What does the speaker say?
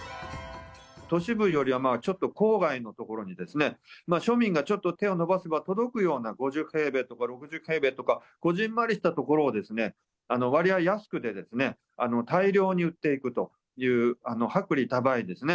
都市部よりはちょっと郊外の所にですね、庶民がちょっと手を伸ばせば届くような５０平米とか６０平米とか、こぢんまりしたところを割合安く大量に売っていくという、薄利多売ですね。